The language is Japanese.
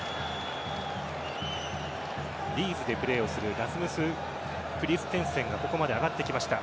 リーズでプレーをするラスムス・クリステンセンがここまで上がってきました。